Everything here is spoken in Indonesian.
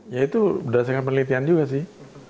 ya itu berdasarkan penelitian juga sih